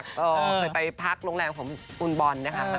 เคยไปพักโรงแรมของคุณบอลนะคะ